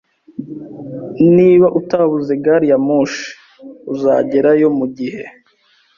Niba utabuze gari ya moshi, uzagerayo mugihe